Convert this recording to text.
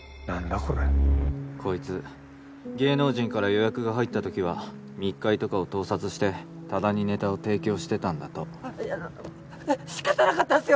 これ芸能人から予約が入ったときは密会とかを盗撮して多田にネタを提供してたんだと（菅しかたなかったんすよ！